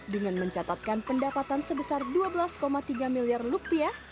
dengan mencatatkan pendapatan sebesar dua belas tiga miliar rupiah